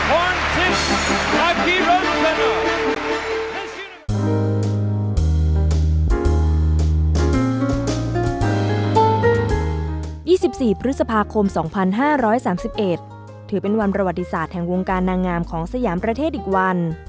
๒๔พฤษภาคม๒๕๓๑ถือเป็นวันประวัติศาสตร์แห่งวงการนางงามของสยามประเทศอีกวัน